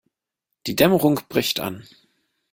Die Dämmerung bricht an.